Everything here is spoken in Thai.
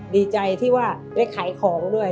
ดีใจที่ว่าได้ขายของด้วย